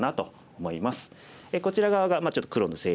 こちら側がちょっと黒の勢力。